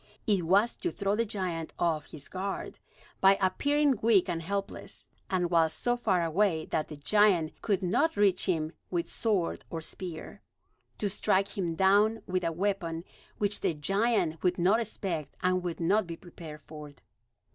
It was to throw the giant off his guard, by appearing weak and helpless; and while so far away that the giant could not reach him with sword or spear, to strike him down with a weapon which the giant would not expect and would not be prepared for.